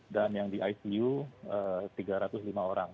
dan yang di icu tiga ratus lima orang